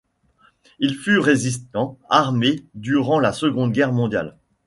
Il fut résistant armé durant la Seconde Guerre mondiale.